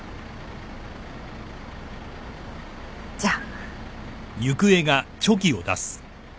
じゃあ。